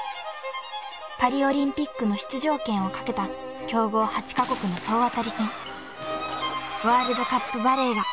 ［パリオリンピックの出場権をかけた強豪８カ国の総当たり戦］